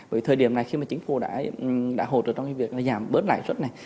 bởi vì thời điểm này khi mà chính phủ đã hỗ trợ trong cái việc giảm bớt lãi suất này